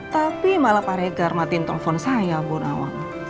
tapi malah pak regar matiin telpon saya bu nawa